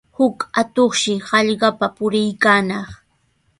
Huk atuqshi hallqapa puriykaanaq.